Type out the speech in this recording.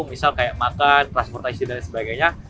misal kayak makan transportasi dan sebagainya